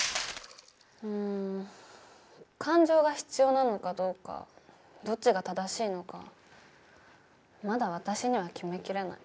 うん感情が必要なのかどうかどっちが正しいのかまだ私には決めきれない。